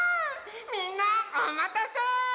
みんなおまたせ！